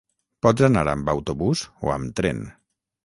Pots anar amb autobús o amb tren.